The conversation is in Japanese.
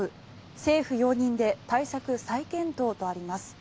政府容認で対策再検討とあります。